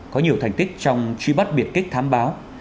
có nhiều thành tích trong truy bắt biệt kích thám báo